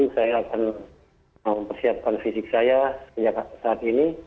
dan karena kesimpulannya itu saya akan mempersiapkan fisik saya sejak saat ini